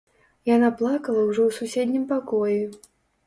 Яна плакала ўжо ў суседнім пакоі.